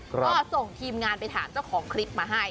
ก็ส่งทีมงานไปถามเจ้าของคลิปมาให้